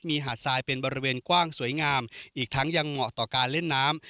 มีหาดทรายเป็นบริเวณกว้างสวยงามอีกทั้งยังเหมาะต่อการเล่นน้ำ